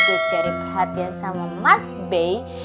gue cari perhatian sama mas bey